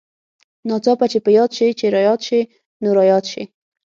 ناڅاپه چې په ياد شې چې راياد شې نو راياد شې.